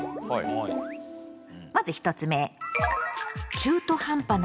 まず１つ目。